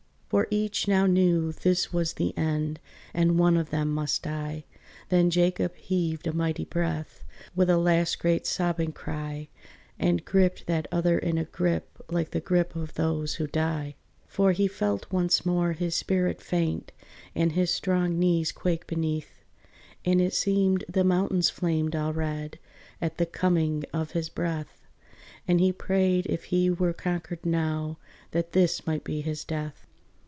For each now knew this was the end, And one of them must die, Then Jacob heaved a mighty breath, With a last great sobbing cry, And gripped that other in a grip Like the grip of those who die. For he felt once more his spirit faint, And his strong knees quake beneath, And it seemed the mountains flamed all red At the coming of his breath; And he prayed if he were conquered now That this might be his death.